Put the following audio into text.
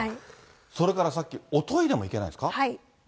それからさっき、おトイレも行けないんですか？